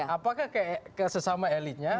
apakah ke sesama elitnya